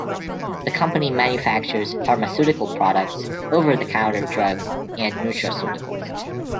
The company manufactures pharmaceutical products, over-the-counter drugs and nutraceuticals.